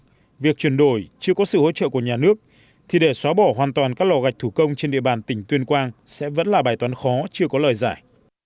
vì vậy việc chuyển đổi chưa có sự hỗ trợ của nhà nước thì để xóa bỏ hoàn toàn các lò gạch thủ công trên địa bàn tỉnh tuyên quang sẽ vẫn là bài toán khó chưa có lời giải